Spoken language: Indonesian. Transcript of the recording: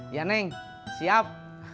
iya neng siap